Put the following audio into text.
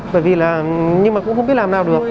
bởi vì là nhưng mà cũng không biết làm nào được